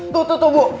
tuh tuh tuh bu